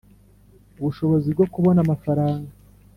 ubushobozi bwo kubona amafaranga